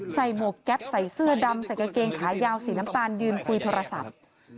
หมวกแก๊ปใส่เสื้อดำใส่กางเกงขายาวสีน้ำตาลยืนคุยโทรศัพท์